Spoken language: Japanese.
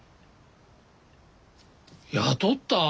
雇った？